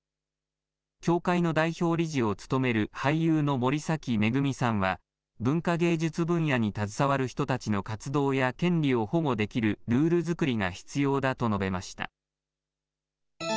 協会の代表理事を務める俳優の森崎めぐみさんは、文化芸術分野に携わる人たちの活動や権利を保護できるルール作りが必要だと述べました。